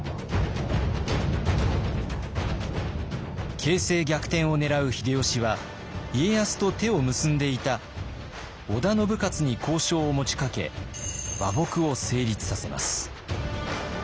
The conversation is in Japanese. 形勢逆転を狙う秀吉は家康と手を結んでいた織田信雄に交渉を持ちかけ和睦を成立させます。